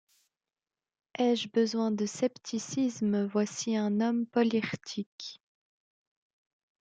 Ai-je besoin de scepticisme, voici un homme polir tique.